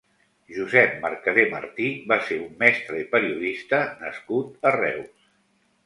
Josep Mercadé Martí va ser un mestre i periodista nascut a Reus.